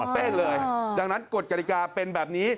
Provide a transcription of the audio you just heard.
เป้งเลยดังนั้นกฎกฎิกาเป็นแบบนี้